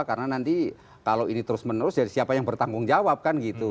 karena nanti kalau ini terus menerus jadi siapa yang bertanggung jawab kan gitu